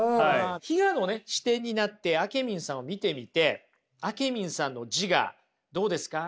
非我のね視点になってあけみんさんを見てみてあけみんさんの自我どうですか？